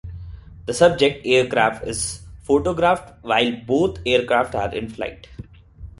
The subject aircraft is photographed while both aircraft are in flight.